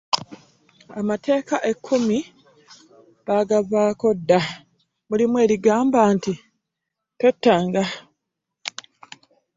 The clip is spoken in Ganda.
Amateeka e kkumi baagavaako dda mulimu erigamba nti tottanga.